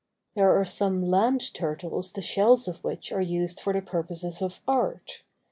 There are some land turtles the shells of which are used for the purposes of art.